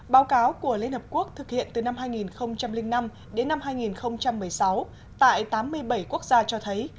báo cáo của liên hợp quốc thực hiện từ năm hai nghìn năm đến năm hai nghìn một mươi sáu tại tám mươi bảy quốc gia cho thấy